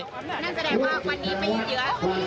นั่นแสดงว่าวันนี้ไปเยอะ